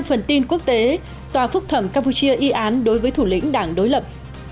phúc thẩm campuchia y án đối với thủ lĩnh đảng đối lập